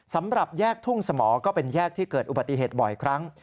สำหรับแยกทุ่งสมก็เป็นแยกที่เกิดอุบัติเหตุบ่อยครั้ง